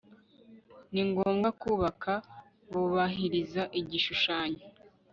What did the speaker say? ni ngombwa kubaka bubahiriza igishushanyo